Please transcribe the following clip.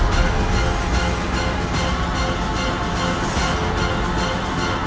dan kalau bazooka aku bertigafred